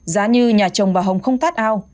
giá như nhà chồng bà hồng không tát ao